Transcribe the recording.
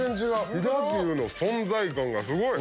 飛騨牛の存在感がすごい！